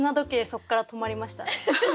そこから止まりましたね。